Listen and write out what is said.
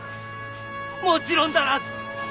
もちろんだらず！